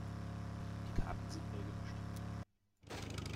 Die Karten sind neu gemischt.